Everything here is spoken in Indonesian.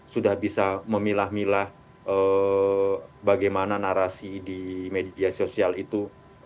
sudah bisa memilah milah bagaimana narasi di media sosial itu